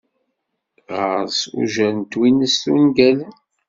Ɣers ujar n twinest ungalen.